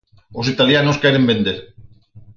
Os italianos queren vender.